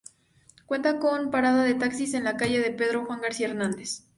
Cuenta con parada de taxis en la calle de Pedro Juan García Hernández.